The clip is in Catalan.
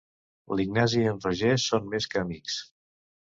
L'Ignasi i en Roger són més que amics.